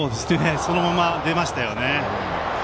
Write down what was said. そのまま出ましたよね。